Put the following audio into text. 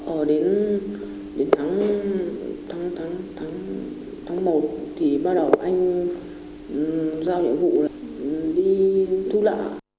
ở đến tháng tháng tháng tháng một thì bắt đầu anh giao nhiệm vụ là đi thu lạ